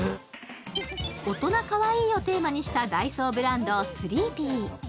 大人かわいいをテーマにしたダイソーブランド、ＴＨＲＥＥＰＰＹ。